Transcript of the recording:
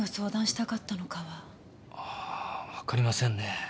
わかりませんね。